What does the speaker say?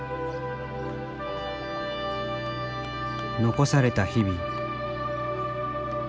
残された日々。